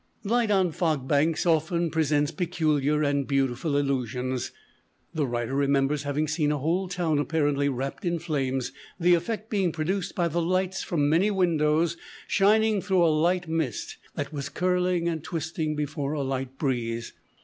Light on fog banks often presents peculiar and beautiful illusions. The writer remembers having seen a whole town apparently wrapped in flames, the effect being produced by the lights from many windows shining through a light mist that was curling and twisting before a light breeze.